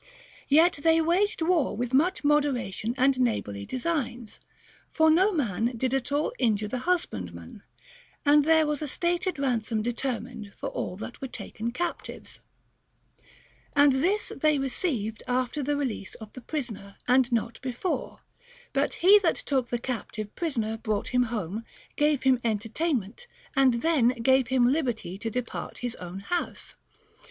Yet they waged war with much moderation and neighborly designs ; for no man did at all injure the husbandman, and there was a stated ran THE GREEK QUESTIONS. 273 som determined for all that were taken captives. And this they received after the release of the prisoner, and not be fore ; but he that took the captive prisoner brought him home, gave him entertainment, and then gave him liberty to depart to his own house.